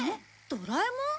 ドラえもん？